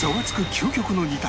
究極の２択